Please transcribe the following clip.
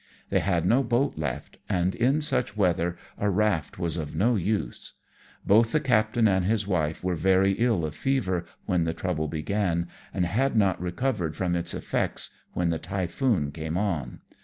They had no boat left, and in such weather a raft was of no use. Both the captain and his wife were very ill of fever when the trouble began, and had not re covered from its effects when the typhoon came on.